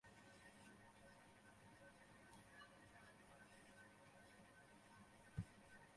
তাঁকে বিচারিক আদালত পাঁচ বছর সাজা দিয়েছেন।